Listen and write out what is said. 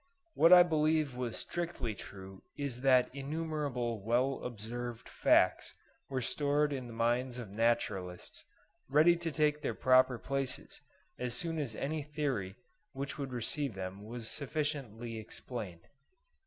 What I believe was strictly true is that innumerable well observed facts were stored in the minds of naturalists ready to take their proper places as soon as any theory which would receive them was sufficiently explained.